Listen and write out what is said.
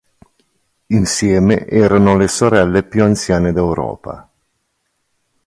Insieme erano le sorelle più anziane d'Europa..